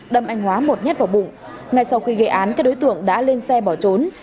đâm anh hóa một nhát vào bụng ngay sau khi gây án các đối tượng đã lên xe bỏ trốn